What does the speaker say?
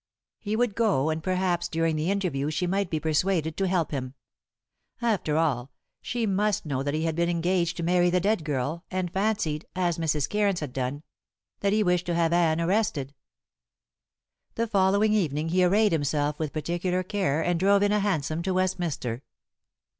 He would go, and perhaps during the interview she might be persuaded to help him. After all, she must know that he had been engaged to marry the dead girl, and fancied as Mrs. Cairns had done that he wished to have Anne arrested. The following evening he arrayed himself with particular care and drove in a hansom to Westminster.